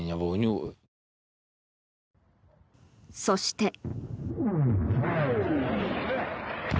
そして。